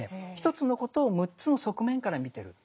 １つのことを６つの側面から見てる。